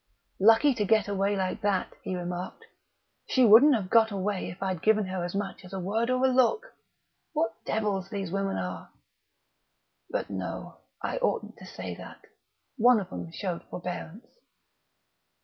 "Lucky to get away like that," he remarked. "She wouldn't have got away if I'd given her as much as a word or a look! What devils these women are!... But no; I oughtn't to say that; one of 'em showed forbearance...."